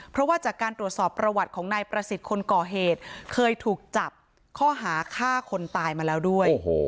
เพราะว่าจากการตรวจสอบประวัติของนายประสิทธิ์คนก่อเหตุเคยถูกจับข้อหาฆ่าคนตายมาแล้วด้วย